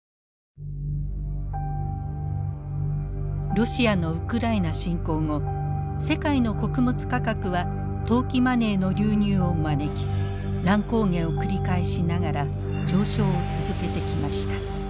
ロシアのウクライナ侵攻後世界の穀物価格は投機マネーの流入を招き乱高下を繰り返しながら上昇を続けてきました。